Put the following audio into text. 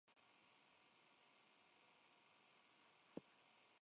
Es el bisnieto del político tunecino Habib Bourguiba.